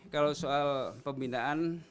kalau soal pembinaan